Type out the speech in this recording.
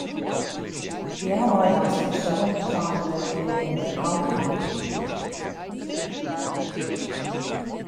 Healwei dat seizoen seinen we dit kin gjin kant út.